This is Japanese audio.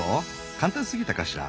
簡単すぎたかしら？